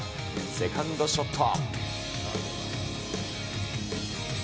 セカンドショット。